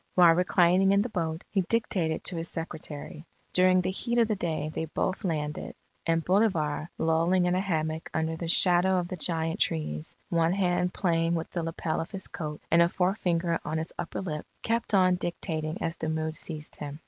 While reclining in the boat, he dictated to his secretary. During the heat of the day they both landed, and Bolivar, lolling in a hammock under the shadow of the giant trees, one hand playing with the lapel of his coat and a forefinger on his upper lip, kept on dictating as the mood seized him.